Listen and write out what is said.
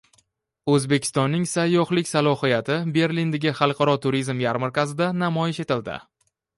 O‘zbekistonning sayyohlik salohiyati Berlindagi xalqaro turizm yarmarkasida namoyish etildi